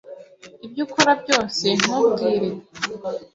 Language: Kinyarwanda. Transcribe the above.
Ibyo ukora byose, ntubwire .